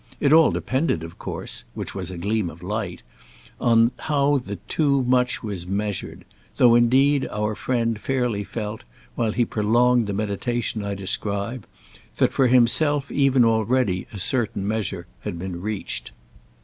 It all depended of course—which was a gleam of light—on how the "too much" was measured; though indeed our friend fairly felt, while he prolonged the meditation I describe, that for himself even already a certain measure had been reached.